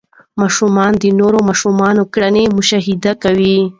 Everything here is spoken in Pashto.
ماشومان د نورو ماشومانو کړنې مشاهده کوي.